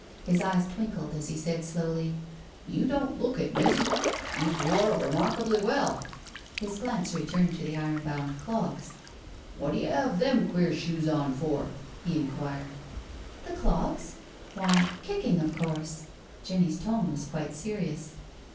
His eyes twinkled as he said slowly: "You don't look it, miss — you've wore remarkably well.*' His glance re turned to the iron bound clogs. " What d'you 'ave them queer shoes on for?" he inquired. " The clogs? Why, kicking of course." Jenny's tone was quite serious.